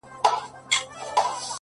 ته مي يو ځلي گلي ياد ته راوړه ـ